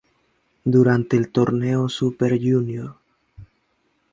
Durante el torneo Super Jr.